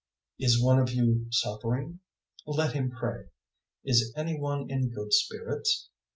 005:013 Is one of you suffering? Let him pray. Is any one in good spirits?